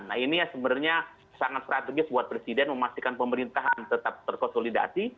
nah ini yang sebenarnya sangat strategis buat presiden memastikan pemerintahan tetap terkonsolidasi